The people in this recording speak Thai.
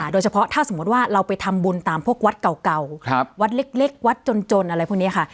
โดยเฉพาะถ้าสมมุติว่าเราไปทำบุญตามพวกวัดเก่าวัดเล็กวัดจนอะไรพวกนี้ค่ะ